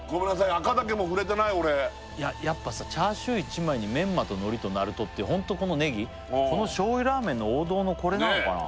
赤岳も触れてない俺やっぱさチャーシュー１枚にメンマと海苔となるとっていうホントこのネギこの醤油ラーメンの王道のこれなのかな